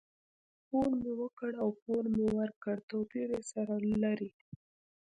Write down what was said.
پور مي ورکړ او پور مې ورکړ؛ توپير سره لري.